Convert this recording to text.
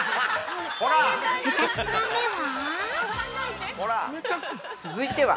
◆２品目は？